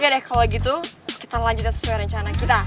oke deh kalau gitu kita lanjutin sesuai rencana kita